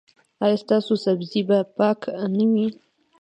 ایا ستاسو سبزي به پاکه نه وي؟